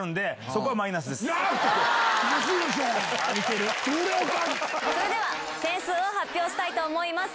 それでは点数を発表したいと思います。